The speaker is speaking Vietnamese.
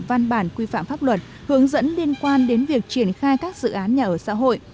văn bản quy phạm pháp luật hướng dẫn liên quan đến việc triển khai các dự án nhà ở xã hội